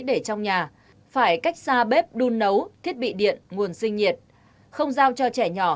để trong nhà phải cách xa bếp đun nấu thiết bị điện nguồn sinh nhiệt không giao cho trẻ nhỏ